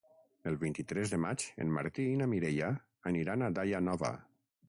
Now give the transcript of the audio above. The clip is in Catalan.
El vint-i-tres de maig en Martí i na Mireia aniran a Daia Nova.